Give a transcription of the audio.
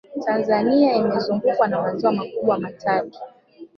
tanzania imezungukwa na maziwa makubwa matatu